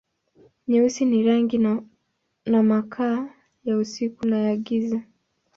Nyeusi ni rangi na makaa, ya usiku na ya giza.